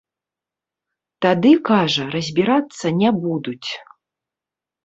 Тады, кажа, разбірацца не будуць.